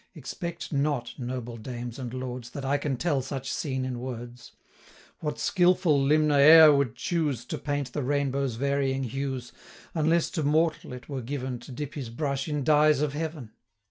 Expect not, noble dames and lords, That I can tell such scene in words: What skilful limner e'er would choose 150 To paint the rainbow's varying hues, Unless to mortal it were given To dip his brush in dyes of heaven?